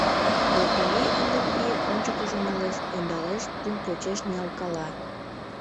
— Кыргорий ынде пийым ончыкыжо налеш, ӧндалеш, пун почеш ниялткала.